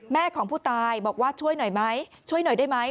แม่ของผู้ตายบอกว่าช่วยหน่อยไหมช่วยหน่อยได้ไหม